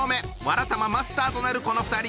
わらたまマスターとなるこの２人。